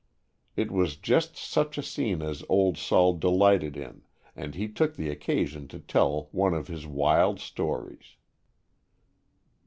It was just such a scene as "Old Sol" delighted in, and he took the occasion to tell one of his wild stories.